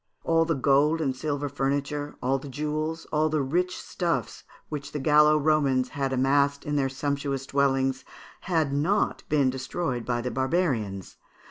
All the gold and silver furniture, all the jewels, and all the rich stuffs which the Gallo Romans had amassed in their sumptuous dwellings, had not been destroyed by the barbarians.